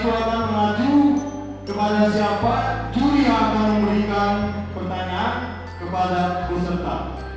saya akan mengacu kepada siapa curi akan memberikan pertanyaan kepada peserta